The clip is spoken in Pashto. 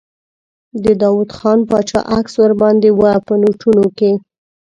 د داووخان باچا عکس ور باندې و په نوټونو کې.